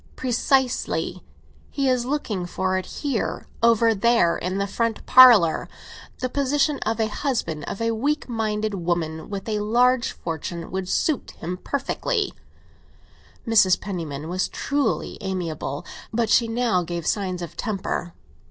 "Precisely. He is looking for it here—over there in the front parlour. The position of husband of a weak minded woman with a large fortune would suit him to perfection!" Mrs. Penniman was truly amiable, but she now gave signs of temper.